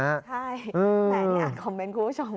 ใช่แหมนี่อ่านคอมเมนต์คุณผู้ชม